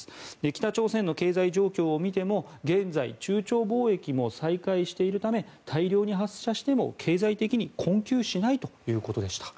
北朝鮮の経済状況を見ても現在、中朝貿易も再開しているため大量に発射しても、経済的に困窮しないということでした。